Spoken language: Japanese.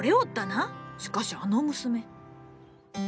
しかしあの娘。